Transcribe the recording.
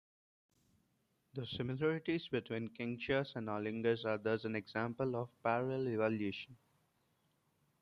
The similarities between kinkajous and olingos are thus an example of parallel evolution.